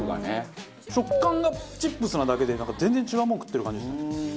食感がチップスなだけで全然違うもの食ってる感じです。